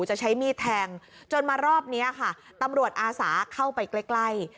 จะใช้มีดแทงจนมารอบนี้ค่ะตำรวจอาสาเข้าไปใกล้